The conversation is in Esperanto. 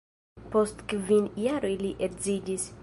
Post kvin jaroj li edziĝis.